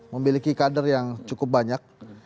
memiliki kader yang cukup banyak